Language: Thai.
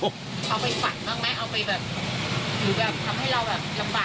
เอาไปสั่งบ้างไหมเอาไปแบบอยู่กับทำให้เราแบบ